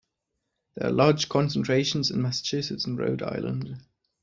There are large concentrations in Massachusetts and Rhode Island.